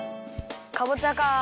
かぼちゃかあ。